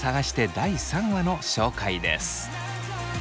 第３話の紹介です。